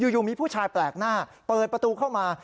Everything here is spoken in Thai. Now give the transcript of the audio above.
อยู่มีผู้ชายแปลกหน้าเปิดประตูเข้ามา